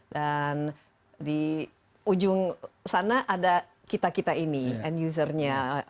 dan di ujung sana ada kita kita ini end usernya